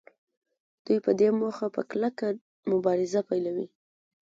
دوی په دې موخه په کلکه مبارزه پیلوي